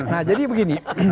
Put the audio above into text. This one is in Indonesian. nah jadi begini